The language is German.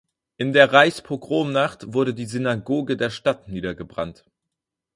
In der Reichspogromnacht wurde die Synagoge der Stadt niedergebrannt.